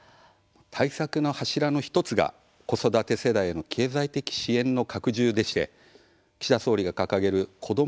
対策の柱の１つが子育て世代への経済的支援の拡充でして、岸田総理が掲げる子ども